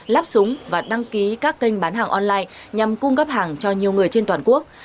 lắp súng và đăng ký các kênh bán hàng online nhằm cung cấp hàng cho nhiều người trên toàn quốc